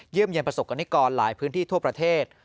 เยี่ยมเย็นประสบกรณิกรหลายพื้นที่ทั่วประเทศ